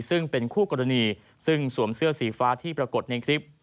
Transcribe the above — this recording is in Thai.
ซึ่งเป็นคู่กรณีซึ่งสวมเสื้อสีฟ้าที่ปรากฏในคลิป